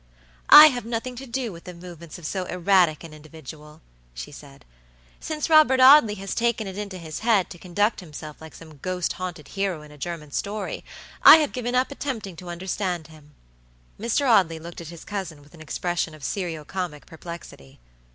"I have nothing to do with the movements of so erratic an individual," she said. "Since Robert Audley has taken it into his head to conduct himself like some ghost haunted hero in a German story, I have given up attempting to understand him." Mr. Audley looked at his cousin with an expression of serio comic perplexity.